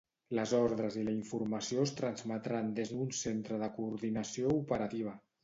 Les ordres i la informació es transmetran des d'un Centre de Coordinació Operativa.